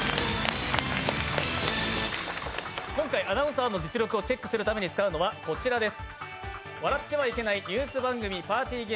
今回アナウンサーの実力をチェックするために使うのはこちらです。